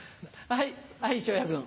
はい。